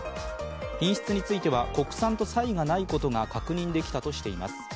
品質については国産と差異がないことが確認できたとしています。